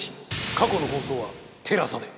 過去の放送はＴＥＬＡＳＡで。